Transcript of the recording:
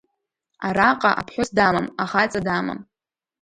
Араҟа аԥҳәыс дамам, ахаҵа дамам.